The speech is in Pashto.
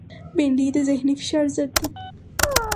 بېنډۍ د ذهنی فشار ضد ده